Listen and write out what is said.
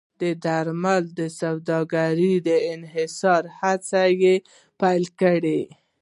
درملو د سوداګرۍ انحصار هڅې یې پیل کړې.